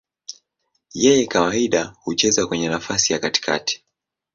Yeye kawaida hucheza kwenye nafasi ya katikati.